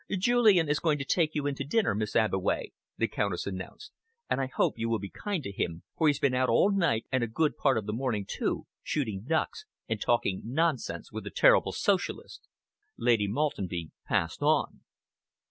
"Julian is going to take you in to dinner, Miss Abbeway," the Countess announced, "and I hope you will be kind to him, for he's been out all night and a good part of the morning, too, shooting ducks and talking nonsense with a terrible Socialist." Lady Maltenby passed on.